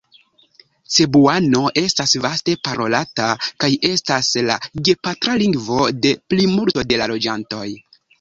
Cebuano estas vaste parolata kaj estas la gepatra lingvo de plimulto de la loĝantoj.